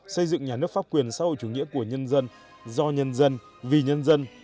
xây dựng nhà nước pháp quyền xã hội chủ nghĩa của nhân dân do nhân dân vì nhân dân